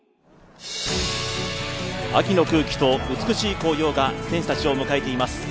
秋の空気と美しい紅葉が選手達を迎えています。